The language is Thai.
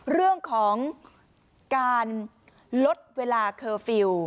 เรื่องของการลดเวลาเคอร์ฟิลล์